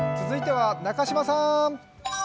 続いては中島さん。